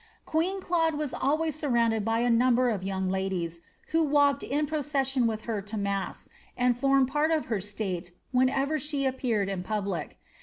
Queen Claude was always imrrcninded by a number of young ladies, who walked in pro* ceuion with her to mass, and formed part of her state whenever she ap peued in public.